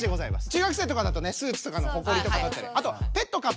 中学生とかだとねスーツとかのほこりとかだったりあとはい！